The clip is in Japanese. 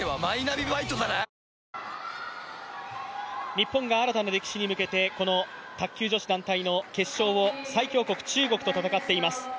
日本が新たな歴史に向けて卓球女子団体の決勝を最強国・中国と戦っています。